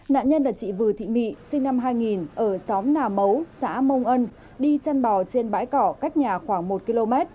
nạn nhân là chị vừa thị mỹ sinh năm hai nghìn ở xóm nà mấu xã mông ân đi chăn bò trên bãi cỏ cách nhà khoảng một km